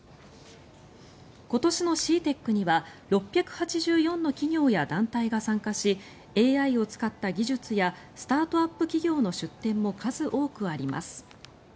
今年のＣＥＡＴＥＣには６８４の企業や団体が参加しＡＩを使った技術やスタートアップ企業の出展も数多くあります。